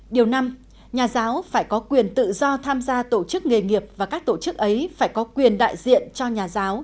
điều năm nhà giáo phải có quyền tự do tham gia tổ chức nghề nghiệp và các tổ chức ấy phải có quyền đại diện cho nhà giáo